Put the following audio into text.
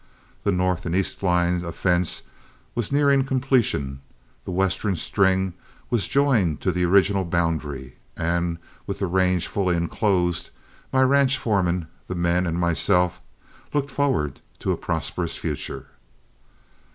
The north and east line of fence was nearing completion, the western string was joined to the original boundary, and, with the range fully inclosed, my ranch foreman, the men, and myself looked forward to a prosperous future.